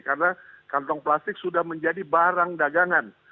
karena kantong plastik sudah menjadi barang dagangan